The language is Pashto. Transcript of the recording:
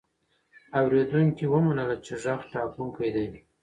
اورېدونکي ومنله چې غږ ټاکونکی دی.